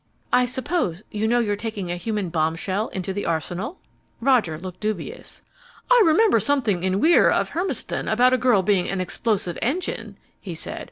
I suppose you know you're taking a human bombshell into the arsenal?" Roger looked dubious. "I remember something in Weir of Hermiston about a girl being 'an explosive engine,'" he said.